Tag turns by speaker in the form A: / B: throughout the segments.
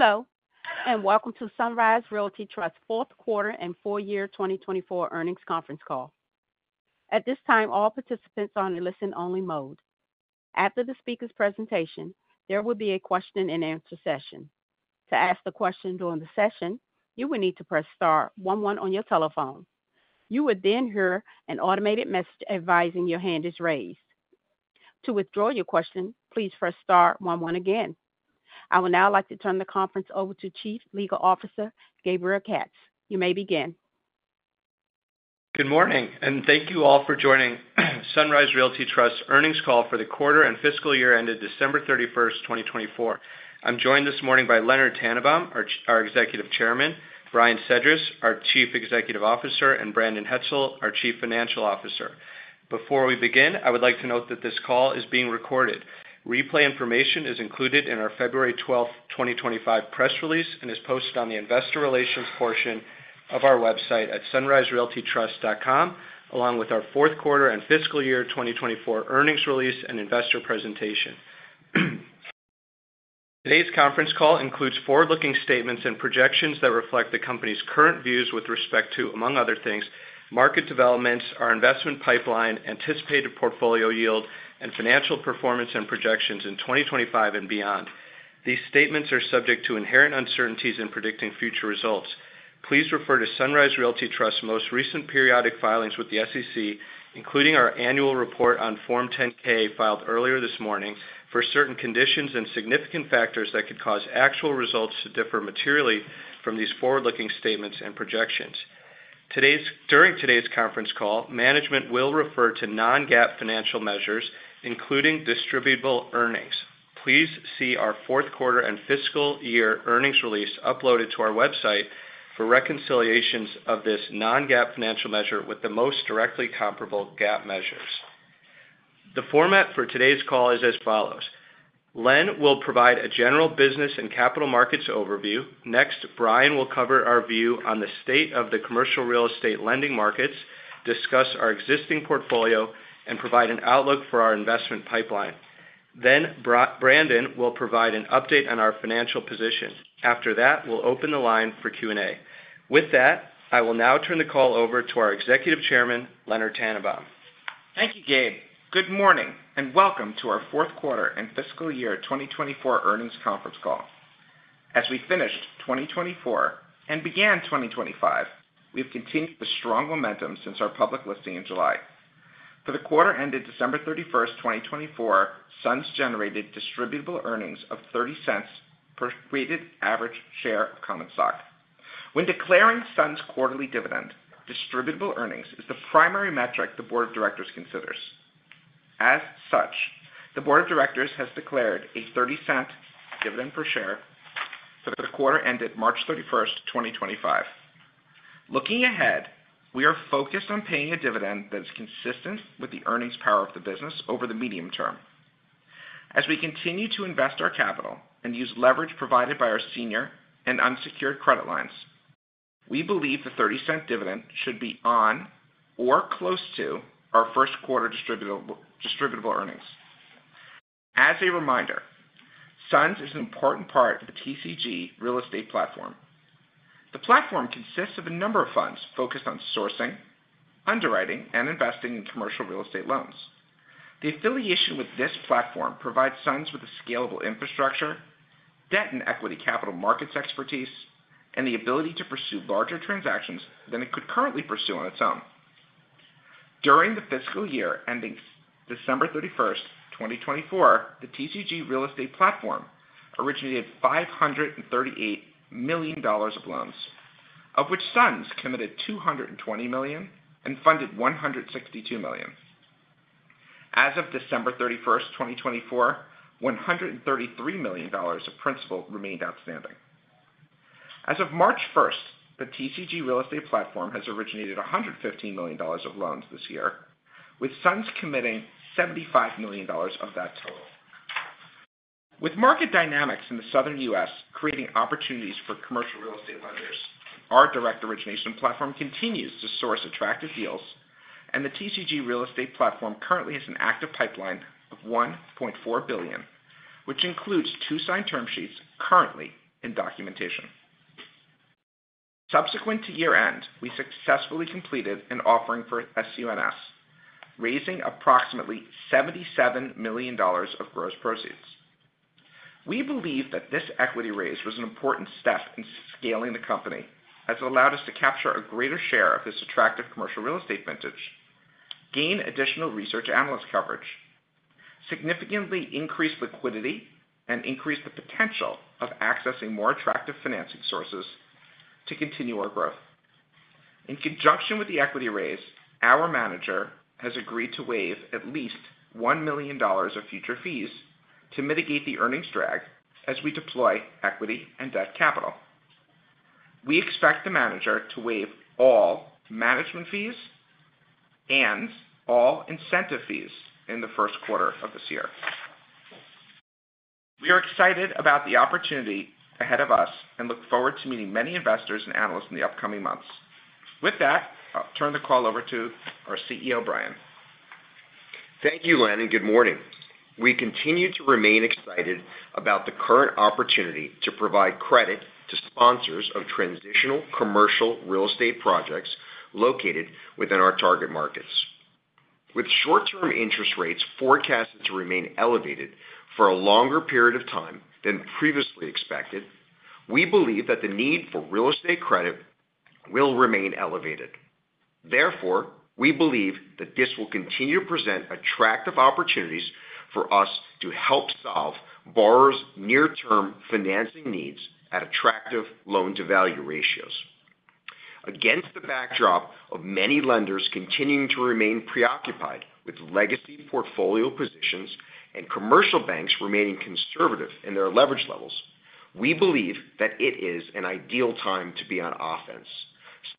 A: Hello, and welcome to Sunrise Realty Trust Fourth Quarter and Full Year 2024 Earnings Conference Call. At this time, all participants are on a listen-only mode. After the speaker's presentation, there will be a question-and-answer session. To ask a question during the session, you will need to press star one one on your telephone. You will then hear an automated message advising your hand is raised. To withdraw your question, please press star one one again. I would now like to turn the conference over to Chief Legal Officer Gabriel Katz. You may begin.
B: Good morning and thank you all for joining Sunrise Realty Trust's Earnings Call for the quarter and fiscal year ended December 31st 2024. I'm joined this morning by Leonard Tannenbaum our Executive Chairman, Brian Sedrish our Chief Executive Officer, and Brandon Hetzel, our Chief Financial Officer. Before we begin, I would like to note that this call is being recorded. Replay information is included in our February 12th 2025, press release and is posted on the investor relations portion of our website at sunriserealtytrust.com, along with our fourth quarter and fiscal year 2024 earnings release and investor presentation. Today's conference call includes forward-looking statements and projections that reflect the company's current views with respect to, among other things, market developments, our investment pipeline, anticipated portfolio yield and financial performance and projections in 2025 and beyond. These statements are subject to inherent uncertainties in predicting future results. Please refer to Sunrise Realty Trust's most recent periodic filings with the SEC including our annual report on Form 10-K filed earlier this morning, for certain conditions and significant factors that could cause actual results to differ materially from these forward-looking statements and projections. During today's conference call, management will refer to non-GAAP financial measures, including distributable earnings. Please see our fourth quarter and fiscal year earnings release uploaded to our website for reconciliations of this non-GAAP financial measure with the most directly comparable GAAP measures. The format for today's call is as follows. Len will provide a general business and capital markets overview. Next, Brian will cover our view on the state of the commercial real estate lending markets, discuss our existing portfolio, and provide an outlook for our investment pipeline. Brandon will provide an update on our financial position. After that, we'll open the line for Q&A. With that, I will now turn the call over to our Executive Chairman, Leonard Tannenbaum.
C: Thank you, Gabe. Good morning and welcome to our Fourth Quarter and Fiscal Year 2024 Earnings Conference Call. As we finished 2024 and began 2025, we've continued the strong momentum since our public listing in July. For the quarter ended December 31st 2024, Sunrise generated distributable earnings of $0.30 per weighted average share of common stock. When declaring SUNS quarterly dividend, distributable earnings is the primary metric the board of directors considers. As such, the board of directors has declared a $0.30 dividend per share for the quarter ended March 31st 2025. Looking ahead, we are focused on paying a dividend that is consistent with the earnings power of the business over the medium term. As we continue to invest our capital and use leverage provided by our senior and unsecured credit lines, we believe the $0.30 dividend should be on or close to our first quarter distributable earnings. As a reminder, SUNS is an important part of the TCG Real Estate Platform. The platform consists of a number of funds focused on sourcing, underwriting, and investing in commercial real estate loans. The affiliation with this platform provides SUNS with a scalable infrastructure, debt and equity capital markets expertise, and the ability to pursue larger transactions than it could currently pursue on its own. During the fiscal year ending December 31st 2024, the TCG Real Estate Platform originated $538 million of loans, of which SUNS committed $220 million and funded $162 million. As of December 31st 2024, $133 million of principal remained outstanding. As of March 1st, the TCG Real Estate Platform has originated $115 million of loans this year with SUNS committing $75 million of that total. With market dynamics in the southern U.S. Creating opportunities for commercial real estate lenders, our direct origination platform continues to source attractive deals, and the TCG Real Estate Platform currently has an active pipeline of $1.4 billion, which includes two signed term sheets currently in documentation. Subsequent to year-end, we successfully completed an offering for SUNS, raising approximately $77 million of gross proceeds. We believe that this equity raise was an important step in scaling the company, as it allowed us to capture a greater share of this attractive commercial real estate vintage, gain additional research analyst coverage, significantly increase liquidity, and increase the potential of accessing more attractive financing sources to continue our growth. In conjunction with the equity raise, our manager has agreed to waive at least $1 million of future fees to mitigate the earnings drag as we deploy equity and debt capital. We expect the manager to waive all management fees and all incentive fees in the first quarter of this year. We are excited about the opportunity ahead of us and look forward to meeting many investors and analysts in the upcoming months. With that, I'll turn the call over to our CEO, Brian.
D: Thank you, Len and good morning. We continue to remain excited about the current opportunity to provide credit to sponsors of transitional commercial real estate projects located within our target markets. With short-term interest rates forecasted to remain elevated for a longer period of time than previously expected, we believe that the need for real estate credit will remain elevated. Therefore, we believe that this will continue to present attractive opportunities for us to help solve borrowers' near-term financing needs at attractive loan-to-value ratios. Against the backdrop of many lenders continuing to remain preoccupied with legacy portfolio positions and commercial banks remaining conservative in their leverage levels, we believe that it is an ideal time to be on offense,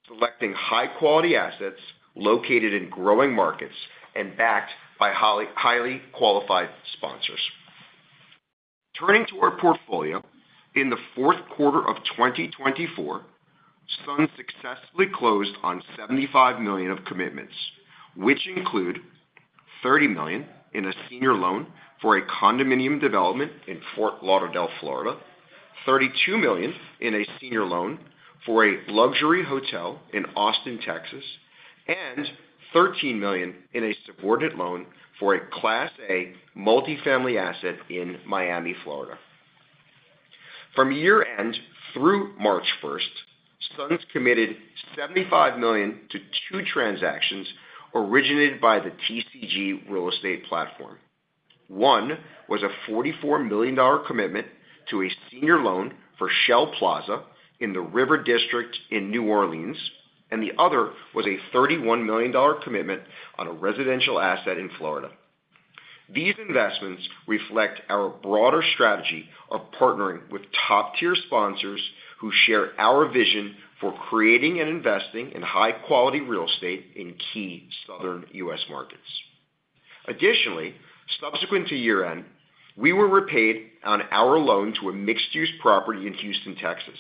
D: selecting high-quality assets located in growing markets and backed by highly qualified sponsors. Turning to our portfolio, in the fourth quarter of 2024, SUNS successfully closed on $75 million of commitments, which include $30 million in a senior loan for a condominium development in Fort Lauderdale, Florida, $32 million in a senior loan for a luxury hotel in Austin, Texas and $13 million in a subordinate loan for a Class A multifamily asset in Miami, Florida. From year-end through March 1st, SUNS committed $75 million to two transactions originated by the TCG Real Estate Platform. One was a $44 million commitment to a senior loan for Shell Plaza in the River District in New Orleans, and the other was a $31 million commitment on a residential asset in Florida. These investments reflect our broader strategy of partnering with top-tier sponsors who share our vision for creating and investing in high-quality real estate in key southern U.S. markets. Additionally, subsequent to year-end, we were repaid on our loan to a mixed-use property in Houston, Texas.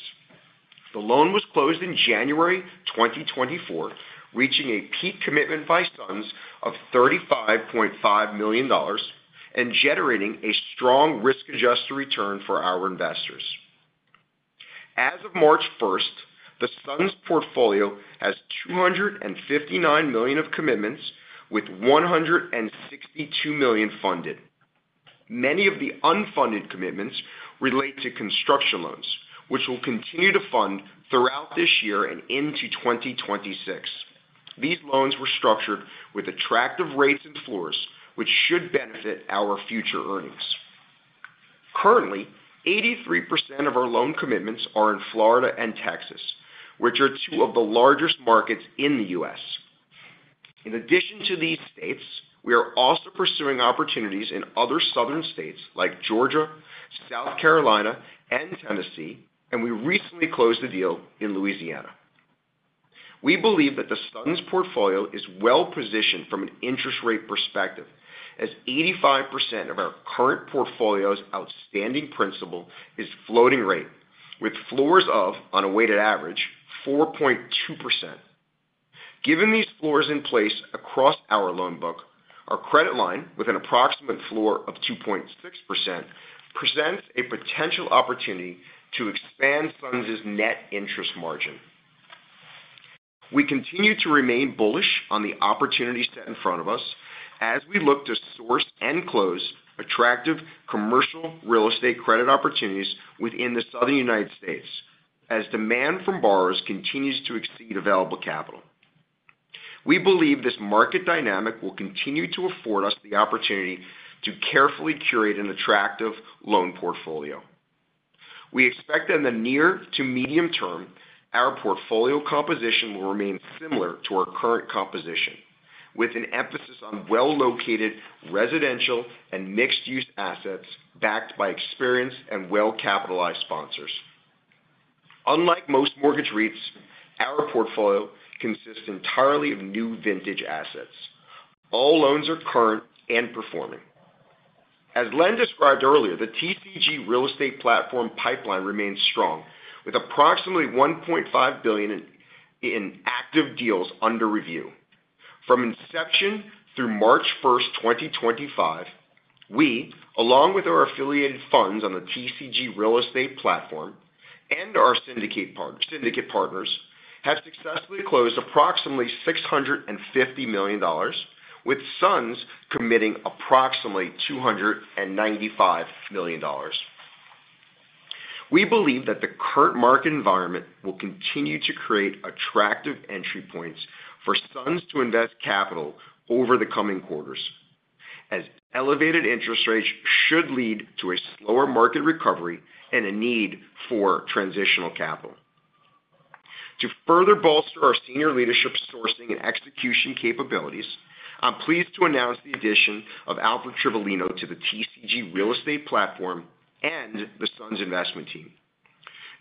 D: The loan was closed in January 2024, reaching a peak commitment by SUNS of $35.5 million and generating a strong risk-adjusted return for our investors. As of March 1st, the SUNS portfolio has $259 million of commitments, with $162 million funded. Many of the unfunded commitments relate to construction loans, which will continue to fund throughout this year and into 2026. These loans were structured with attractive rates and floors, which should benefit our future earnings. Currently, 83% of our loan commitments are in Florida and Texas, which are two of the largest markets in the U.S. In addition to these states, we are also pursuing opportunities in other southern states like Georgia, South Carolina, and Tennessee, and we recently closed a deal in Louisiana. We believe that the SUNS' portfolio is well-positioned from an interest rate perspective, as 85% of our current portfolio's outstanding principal is floating rate, with floors of, on a weighted average, 4.2%. Given these floors in place across our loan book, our credit line, with an approximate floor of 2.6%, presents a potential opportunity to expand SUNS net interest margin. We continue to remain bullish on the opportunity set in front of us as we look to source and close attractive commercial real estate credit opportunities within the southern United States, as demand from borrowers continues to exceed available capital. We believe this market dynamic will continue to afford us the opportunity to carefully curate an attractive loan portfolio. We expect that in the near to medium term, our portfolio composition will remain similar to our current composition, with an emphasis on well-located residential and mixed-use assets backed by experienced and well-capitalized sponsors. Unlike most mortgage REITs, our portfolio consists entirely of new vintage assets. All loans are current and performing. As Len described earlier, the TCG Real Estate Platform pipeline remains strong, with approximately $1.5 billion in active deals under review. From inception through March 1st 2025, we, along with our affiliated funds on the TCG Real Estate Platform and our syndicate partners have successfully closed approximately $650 million, with SUNS committing approximately $295 million. We believe that the current market environment will continue to create attractive entry points for SUNS to invest capital over the coming quarters, as elevated interest rates should lead to a slower market recovery and a need for transitional capital. To further bolster our senior leadership's sourcing and execution capabilities, I'm pleased to announce the addition of Alfred Trivilino to the TCG Real Estate Platform and the Sunrise Realty Trust investment team.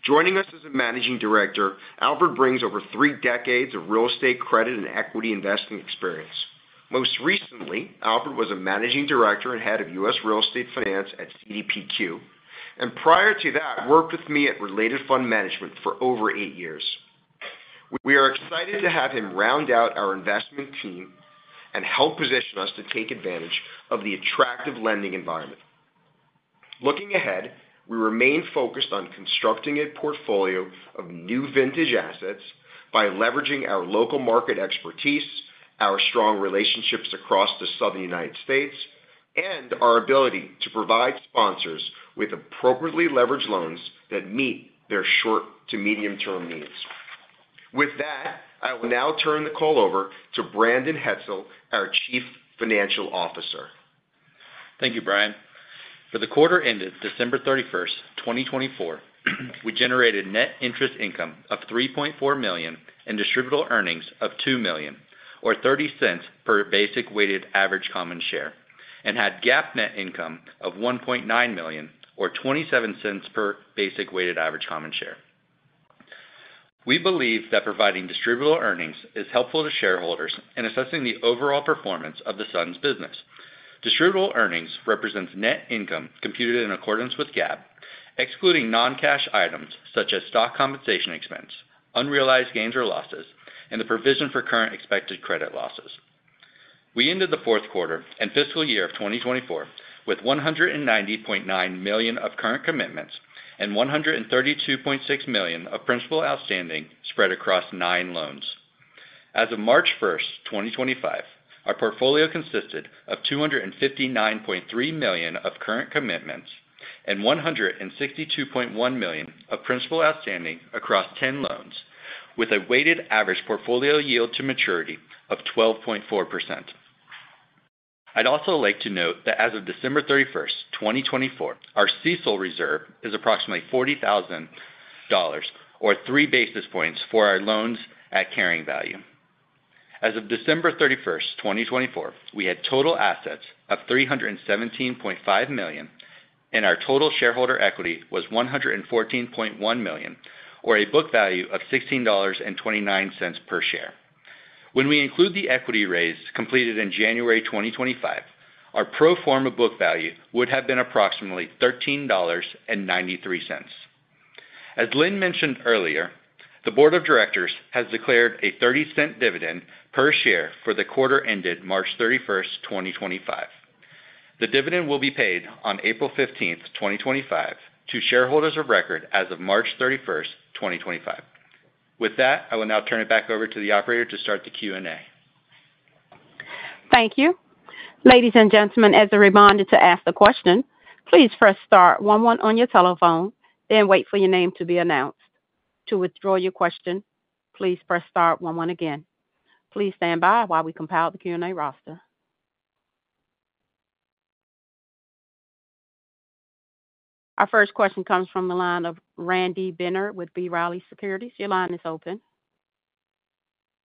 D: Joining us as a Managing Director, Alfred brings over three decades of real estate credit and equity investing experience. Most recently, Alfred was a Managing Director and Head of U.S. Real Estate Finance at CDPQ, and prior to that, worked with me at Related Fund Management for over eight years. We are excited to have him round out our investment team and help position us to take advantage of the attractive lending environment. Looking ahead, we remain focused on constructing a portfolio of new vintage assets by leveraging our local market expertise, our strong relationships across the southern United States, and our ability to provide sponsors with appropriately leveraged loans that meet their short to medium-term needs. With that, I will now turn the call over to Brandon Hetzel our Chief Financial Officer.
E: Thank you, Brian. For the quarter ended December 31st 2024, we generated net interest income of $3.4 million and distributable earnings of $2 million, or $0.30 per basic weighted average common share, and had GAAP net income of $1.9 million or $0.27 per basic weighted average common share. We believe that providing distributable earnings is helpful to shareholders in assessing the overall performance of the Sunrise business. Distributable earnings represents net income computed in accordance with GAAP, excluding non-cash items such as stock compensation expense, unrealized gains or losses, and the provision for current expected credit losses. We ended the fourth quarter and fiscal year of 2024 with $190.9 million of current commitments and $132.6 million of principal outstanding spread across nine loans. As of March 1st, 2025, our portfolio consisted of $259.3 million of current commitments and $162.1 million of principal outstanding across ten loans, with a weighted average portfolio yield to maturity of 12.4%. I'd also like to note that as of December 31st, 2024, our CECL reserve is approximately $40,000, or three basis points for our loans at carrying value. As of December 31st 2024, we had total assets of $317.5 million, and our total shareholder equity was $114.1 million, or a book value of $16.29 per share. When we include the equity raise completed in January 2025, our pro forma book value would have been approximately $13.93. As Len mentioned earlier, the Board of Directors has declared a $0.30 dividend per share for the quarter ended March 31st 2025. The dividend will be paid on April 15th 2025, to shareholders of record as of March 31st 2025. With that, I will now turn it back over to the operator to start the Q&A.
A: Thank you. Ladies and gentlemen, as a reminder to ask the question, please press star 11 on your telephone, then wait for your name to be announced. To withdraw your question, please press star 11 again. Please stand by while we compile the Q&A roster. Our first question comes from the line of Randy Binner with B. Riley Securities. Your line is open.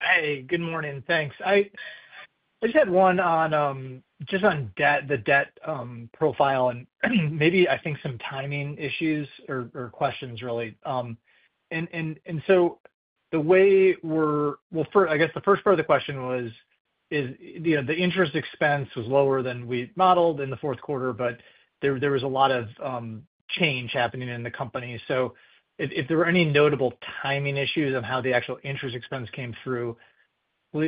F: Hey, good morning. Thanks. I just had one on just on the debt profile and maybe, I think, some timing issues or questions, really. The way we're—well, I guess the first part of the question was, you know, the interest expense was lower than we modeled in the fourth quarter, but there was a lot of change happening in the company. If there were any notable timing issues on how the actual interest expense came through,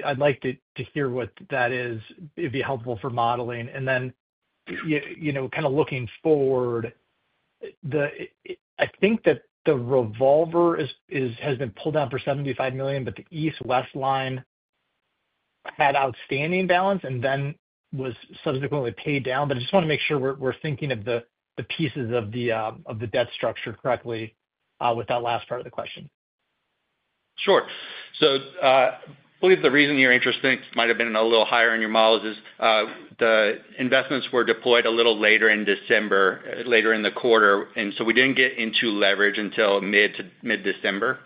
F: I'd like to hear what that is. It'd be helpful for modeling. You know, kind of looking forward, I think that the revolver has been pulled down for $75 million, but the East West Bank line had outstanding balance and then was subsequently paid down. I just want to make sure we're thinking of the pieces of the debt structure correctly with that last part of the question.
C: Sure. I believe the reason your interest rates might have been a little higher in your models is the investments were deployed a little later in December, later in the quarter, and we did not get into leverage until mid-December.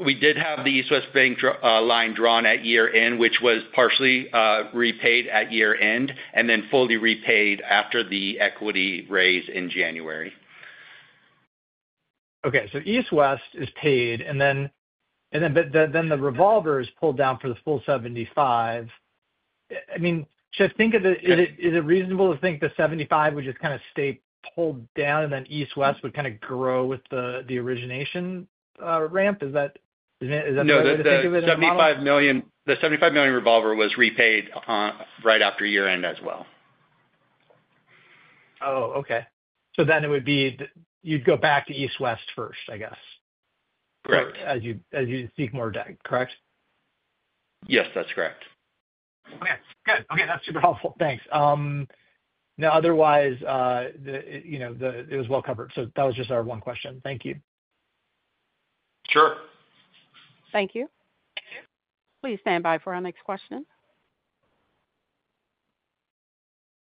C: We did have the East West Bank line drawn at year-end, which was partially repaid at year-end and then fully repaid after the equity raise in January.
F: Okay. So East West is paid, and then the revolver is pulled down for the full $75. I mean, should I think of it—is it reasonable to think the $75 would just kind of stay pulled down and then East West would kind of grow with the origination ramp? Is that—is that the way to think of it?
C: No, the $75 million revolver was repaid right after year-end as well.
F: Oh, okay. Then it would be you'd go back to East West Bank first, I guess.
C: Correct.
F: As you seek more debt, correct?
C: Yes, that's correct.
F: Okay. Good. Okay. That's super helpful. Thanks. No, otherwise, you know, it was well covered. So that was just our one question. Thank you.
C: Sure.
A: Thank you. Please stand by for our next question.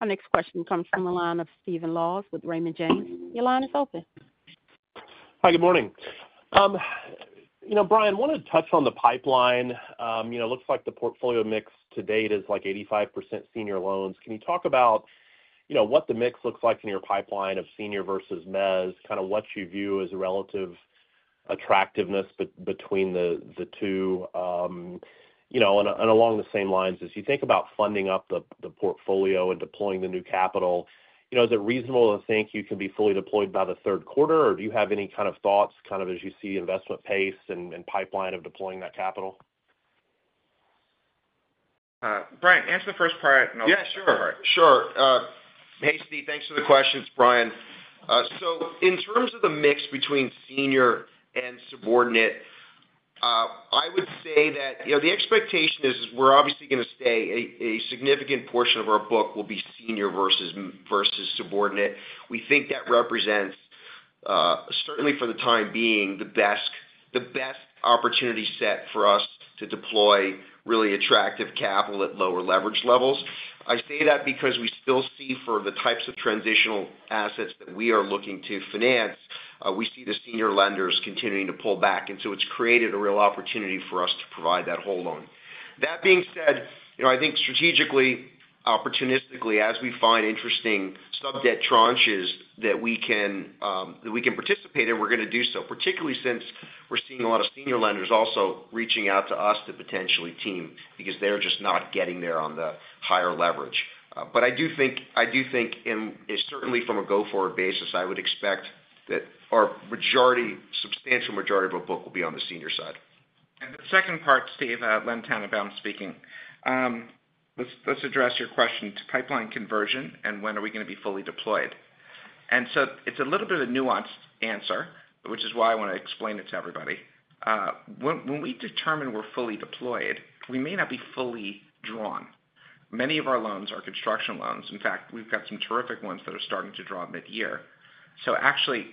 A: Our next question comes from the line of Stephen Laws with Raymond James. Your line is open.
G: Hi, good morning. You know, Brian, I wanted to touch on the pipeline. You know, it looks like the portfolio mix to date is like 85% senior loans. Can you talk about, you know, what the mix looks like in your pipeline of senior versus mezz, kind of what you view as a relative attractiveness between the two, you know, and along the same lines as you think about funding up the portfolio and deploying the new capital? You know, is it reasonable to think you can be fully deployed by the third quarter, or do you have any kind of thoughts, kind of as you see the investment pace and pipeline of deploying that capital?
C: Brian, answer the first part and I'll—
D: Yeah, sure. Sure. Hey, Steve, thanks for the questions, Brian. In terms of the mix between senior and subordinate, I would say that, you know, the expectation is we're obviously going to stay a significant portion of our book will be senior versus subordinate. We think that represents, certainly for the time being, the best opportunity set for us to deploy really attractive capital at lower leverage levels. I say that because we still see for the types of transitional assets that we are looking to finance, we see the senior lenders continuing to pull back. It has created a real opportunity for us to provide that whole loan. That being said, you know, I think strategically, opportunistically, as we find interesting sub-debt tranches that we can participate in, we're going to do so, particularly since we're seeing a lot of senior lenders also reaching out to us to potentially team because they're just not getting there on the higher leverage. I do think, I do think, and certainly from a go-forward basis, I would expect that our majority, substantial majority of our book will be on the senior side.
C: The second part, Steve, Len Tannenbaum speaking, let's address your question to pipeline conversion and when are we going to be fully deployed. It is a little bit of a nuanced answer, which is why I want to explain it to everybody. When we determine we are fully deployed, we may not be fully drawn. Many of our loans are construction loans. In fact, we have some terrific ones that are starting to draw mid-year. Actually,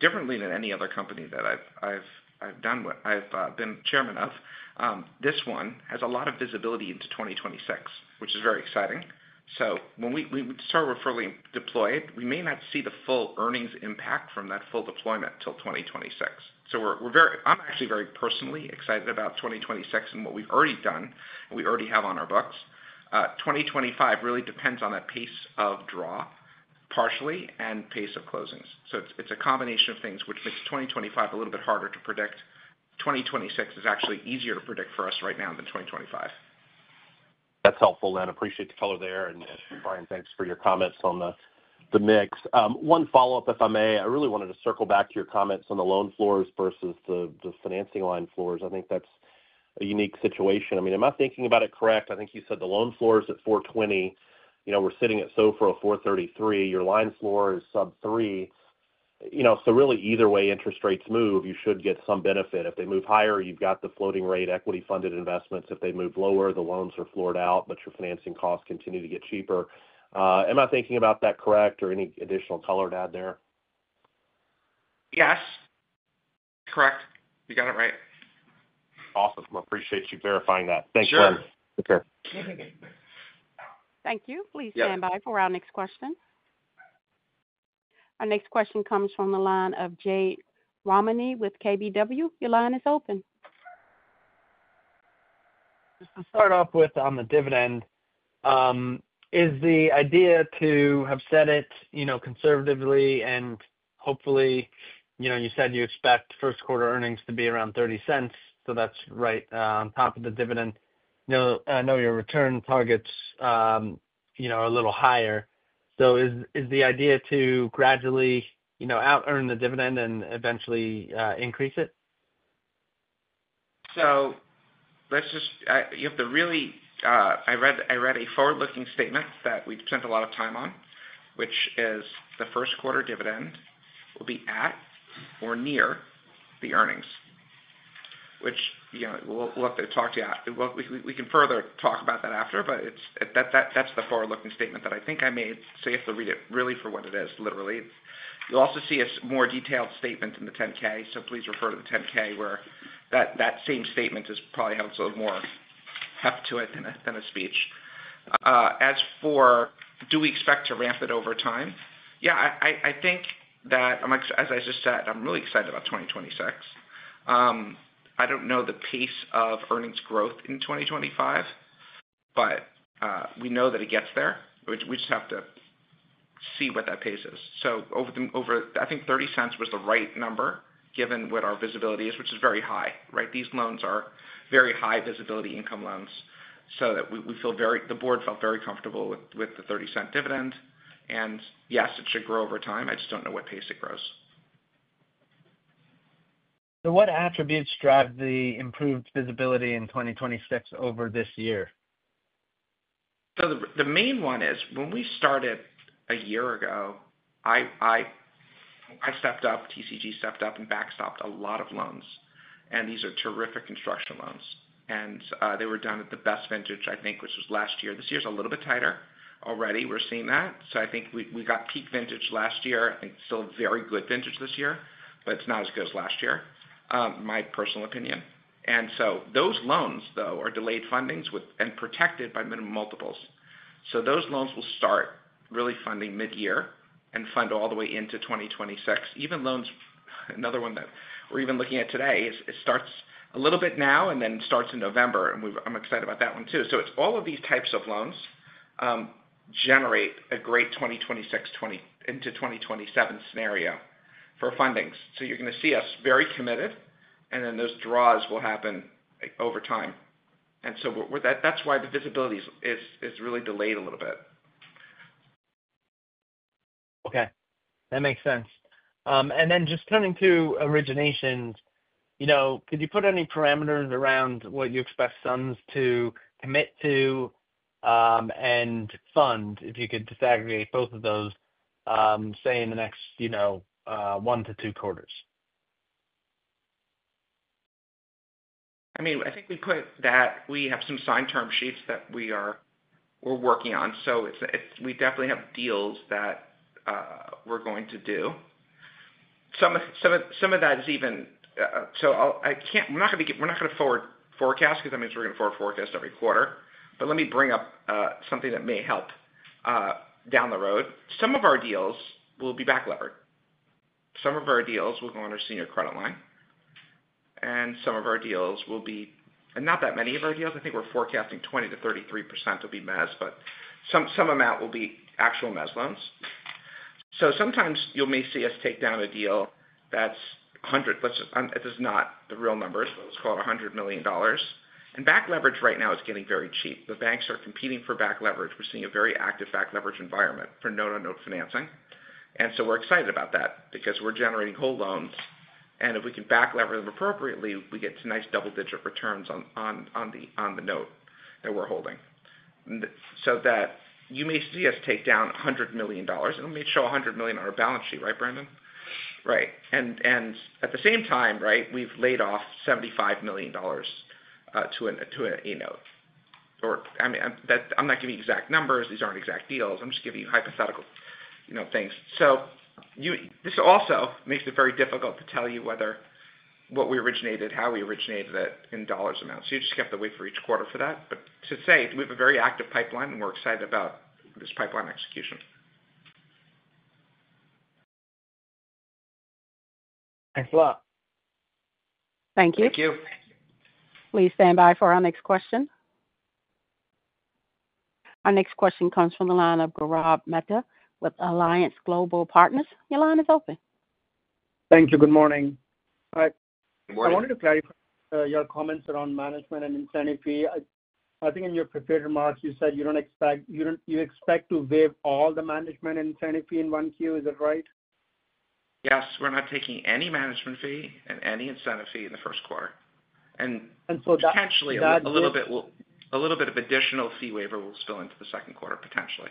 C: differently than any other company that I have been chairman of this one has a lot of visibility into 2026, which is very exciting. When we start with fully deployed, we may not see the full earnings impact from that full deployment until 2026. I am actually very personally excited about 2026 and what we have already done and we already have on our books. 2025 really depends on that pace of draw partially and pace of closings. It is a combination of things which makes 2025 a little bit harder to predict. 2026 is actually easier to predict for us right now than 2025.
G: That's helpful, Len. Appreciate the color there. Brian, thanks for your comments on the mix. One follow-up, if I may, I really wanted to circle back to your comments on the loan floors versus the financing line floors. I think that's a unique situation. I mean, am I thinking about it correct? I think you said the loan floor is at 4.20. You know, we're sitting at SOFR of 4.33. Your line floor is sub three. You know, so really either way interest rates move, you should get some benefit. If they move higher, you've got the floating rate equity-funded investments. If they move lower, the loans are floored out, but your financing costs continue to get cheaper. Am I thinking about that correct or any additional color to add there?
D: Yes, correct. You got it right.
G: Awesome. I appreciate you verifying that. Thanks, Brian.
D: Sure.
G: Take care.
A: Thank you. Please stand by for our next question. Our next question comes from the line of Jade Rahmani with KBW. Your line is open.
H: Just to start off with on the dividend, is the idea to have set it, you know, conservatively and hopefully, you know, you said you expect first quarter earnings to be around $0.30, so that's right on top of the dividend. You know, I know your return targets, you know, are a little higher. So is the idea to gradually, you know, out-earn the dividend and eventually increase it?
D: Let's just—you have to really—I read a forward-looking statement that we've spent a lot of time on, which is the first quarter dividend will be at or near the earnings, which, you know, we'll have to talk to you—we can further talk about that after, but that's the forward-looking statement that I think I made. You have to read it really for what it is, literally. You'll also see a more detailed statement in the 10-K, so please refer to the 10-K where that same statement has probably had a little more heft to it than a speech. As for do we expect to ramp it over time? Yeah, I think that, as I just said I'm really excited about 2026. I don't know the pace of earnings growth in 2025, but we know that it gets there. We just have to see what that pace is. I think $0.30 was the right number given what our visibility is, which is very high, right? These loans are very high visibility income loans so that we feel very—the board felt very comfortable with the $0.30 dividend. Yes, it should grow over time. I just do not know what pace it grows.
H: What attributes drive the improved visibility in 2026 over this year?
D: The main one is when we started a year ago, I stepped up, TCG stepped up and backstopped a lot of loans. These are terrific construction loans. They were done at the best vintage, I think, which was last year. This year is a little bit tighter already. We're seeing that. I think we got peak vintage last year and still very good vintage this year, but it's not as good as last year, my personal opinion. Those loans, though, are delayed fundings and protected by minimum multiples. Those loans will start really funding mid-year and fund all the way into 2026. Even loans—another one that we're even looking at today is it starts a little bit now and then starts in November. I'm excited about that one too. All of these types of loans generate a great 2026 into 2027 scenario for fundings. You're going to see us very committed, and then those draws will happen over time. That's why the visibility is really delayed a little bit.
H: Okay. That makes sense. And then just turning to originations, you know, could you put any parameters around what you expect SUNS to commit to and fund if you could disaggregate both of those, say, in the next, you know, one to two quarters?
D: I mean, I think we put that we have some signed term sheets that we are working on. We definitely have deals that we're going to do. Some of that is even—I can't—we're not going to forward forecast because that means we're going to forward forecast every quarter. Let me bring up something that may help down the road. Some of our deals will be back levered. Some of our deals will go on our senior credit line. Some of our deals will be—and not that many of our deals, I think we're forecasting 20-33% will be mezz, but some amount will be actual mezz loans. Sometimes you may see us take down a deal that's 100—let's just—it's not the real numbers, but let's call it $100 million. Back leverage right now is getting very cheap. The banks are competing for back leverage. We're seeing a very active back leverage environment for note-on-note financing. We're excited about that because we're generating whole loans. If we can back lever them appropriately, we get some nice double-digit returns on the note that we're holding. You may see us take down $100 million. We may show $100 million on our balance sheet, right, Brandon? Right. At the same time, we've laid off $75 million to an -note. I mean, I'm not giving you exact numbers. These aren't exact deals. I'm just giving you hypothetical, you know, things. This also makes it very difficult to tell you whether what we originated, how we originated it in dollar amounts. You just have to wait for each quarter for that. We have a very active pipeline and we're excited about this pipeline execution.
H: Thanks a lot.
D: Thank you.
A: Thank you. Please stand by for our next question. Our next question comes from the line of Gaurav Mehta with Alliance Global Partners. Your line is open.
I: Thank you. Good morning. Hi. Good morning. I wanted to clarify your comments around management and incentive fee. I think in your prepared remarks, you said you do not expect—you expect to waive all the management and incentive fee in 1Q. Is that right?
D: Yes. We're not taking any management fee and any incentive fee in the first quarter. Potentially a little bit of additional fee waiver will spill into the second quarter, potentially.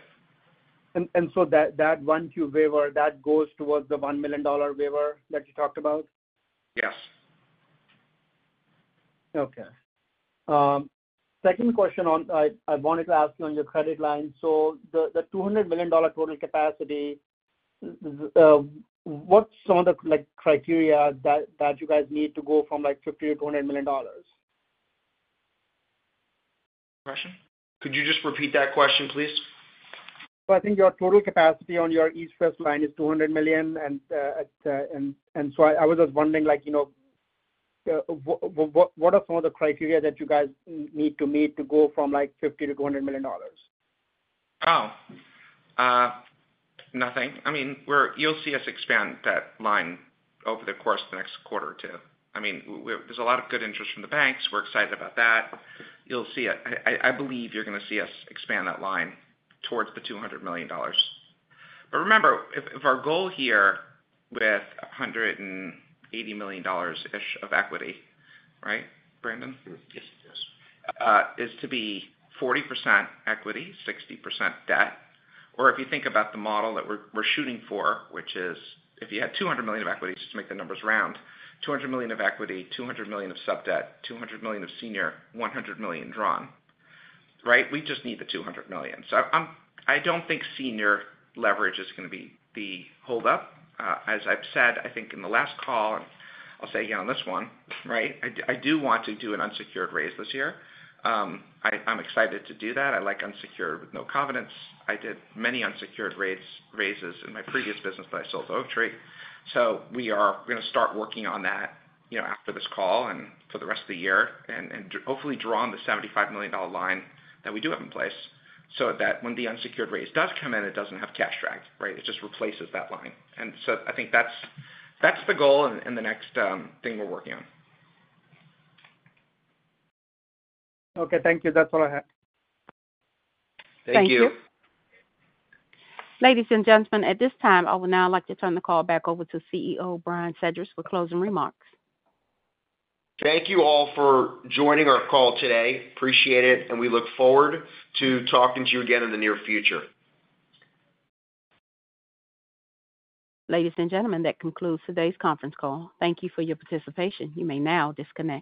I: That one queue waiver, that goes towards the $1 million waiver that you talked about?
D: Yes.
I: Okay. Second question on I wanted to ask you on your credit line. The $200 million total capacity, what's some of the criteria that you guys need to go from like $50 to $200 million?
D: Question? Could you just repeat that question, please?
I: I think your total capacity on your East West Bank line is $200 million. I was just wondering, you know, what are some of the criteria that you guys need to meet to go from like $50 to $200 million?
D: Oh, nothing. I mean, you'll see us expand that line over the course of the next quarter or two. I mean, there's a lot of good interest from the banks. We're excited about that. You'll see it. I believe you're going to see us expand that line towards the $200 million. Remember, if our goal here with $180 million-ish of equity, right, Brandon?
E: Yes.
D: Is to be 40% equity, 60% debt. If you think about the model that we're shooting for, which is if you had $200 million of equity, just to make the numbers round, $200 million of equity, $200 million of sub debt, $200 million of senior, $100 million drawn, right? We just need the $200 million. I don't think senior leverage is going to be the hold-up. As I said, I think in the last call, and I'll say again on this one, I do want to do an unsecured raise this year. I'm excited to do that. I like unsecured with no covenants. I did many unsecured raises in my previous business that I sold Oaktree. We are going to start working on that, you know, after this call and for the rest of the year and hopefully draw on the $75 million line that we do have in place so that when the unsecured raise does come in, it does not have cash drag, right? It just replaces that line. I think that is the goal and the next thing we are working on.
I: Okay. Thank you. That's all I have.
D: Thank you.
A: Thank you. Ladies and gentlemen, at this time, I would now like to turn the call back over to CEO Brian Sedrish for closing remarks.
D: Thank you all for joining our call today. Appreciate it. We look forward to talking to you again in the near future.
A: Ladies and gentlemen, that concludes today's conference call. Thank you for your participation. You may now disconnect.